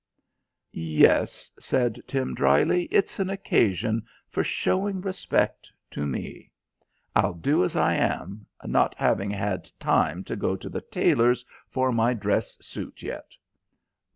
"Yes," said Tim drily. "It's an occasion for showing respect to me. I'll do as I am, not having had time to go to the tailor's for my dress suit yet."